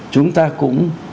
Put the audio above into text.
chúng ta cũng